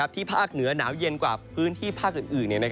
ที่ภากเหนือหนาวเย็นกว่าภาคอื่น